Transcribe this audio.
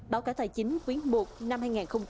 báo cáo tài chính quyến một năm hai nghìn hai mươi ba